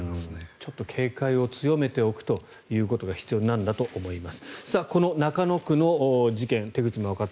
ちょっと警戒を強めておくのが必要なんだと思います。